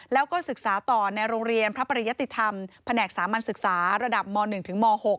แล้วก็ศึกษาต่อในโรงเรียนพระปริยติธรรมแผนกสามัญศึกษาระดับม๑ถึงม๖